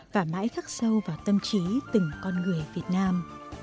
và mãi khắc sâu vào tâm trí từng con người việt nam